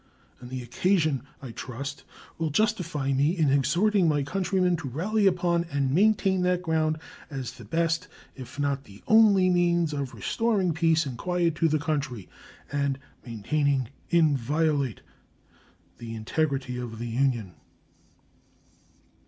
And the occasion, I trust, will justify me in exhorting my countrymen to rally upon and maintain that ground as the best, if not the only, means of restoring peace and quiet to the country and maintaining inviolate the integrity of the Union.